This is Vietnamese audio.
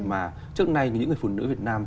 mà trước nay những người phụ nữ việt nam